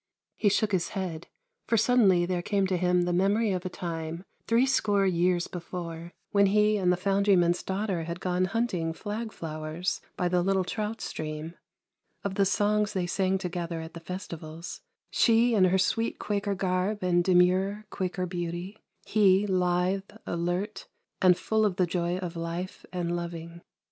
He shook his head, for suddenly there came to him the memory of a time, three score years before, when he and the foundryman's daughter had gone hunting flag flowers by the little trout stream, of the songs they sang together at the festivals, she in her sweet THERE WAS A LITTLE CITY 345 Quaker garb and demure Quaker beauty, he lithe, alert, and full of the joy of life and loving.